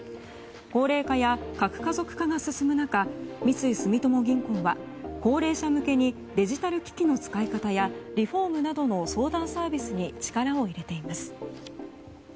高齢化や核家族化が進む中三井住友銀行は高齢者向けにデジタル機器の使い方やリフォームなどの相談サービスに力を入れています。